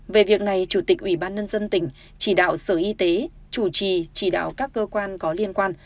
về việc này chủ tịch ủy ban nhân dân tỉnh chỉ đạo sở y tế chủ trì chỉ đạo các cơ quan có liên quan